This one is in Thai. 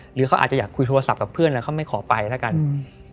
หรือเขาอาจจะอยากคุยโทรศัพท์กับเพื่อนแล้วเขาไม่ขอไปแล้วกันอืม